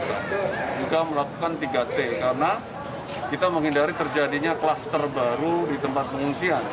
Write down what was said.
kita juga melakukan tiga t karena kita menghindari terjadinya kluster baru di tempat pengungsian